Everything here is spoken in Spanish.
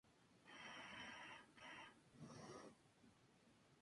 La música reggae rasta está llena de referencias a Sion.